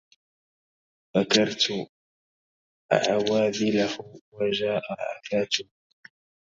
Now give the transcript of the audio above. بكرت عواذله وجاء عفاته